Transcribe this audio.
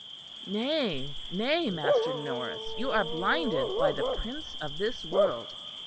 Nay, nay, Master Norris, you are blinded by the Prince of this world.